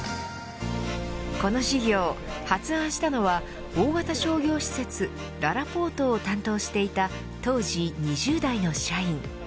この事業、発案したのは大型商業施設ららぽーとを担当していた当時２０代の社員。